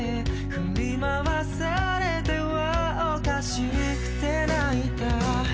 「振り回されては可笑しくて泣いた」